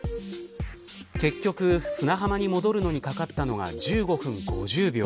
結局砂浜に戻るのにかかった時間は１５分５０秒。